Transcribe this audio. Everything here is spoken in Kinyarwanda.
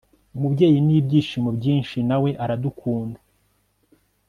umubyeyi, n'ibyishimo byinshi, nawe aradukunda